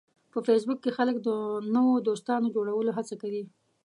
په فېسبوک کې خلک د نوو دوستانو جوړولو هڅه کوي